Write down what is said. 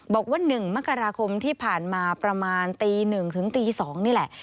บอกว่า๑มกราคมที่ผ่านมาประมาณตี๑ถึงตี๒นี่แหละ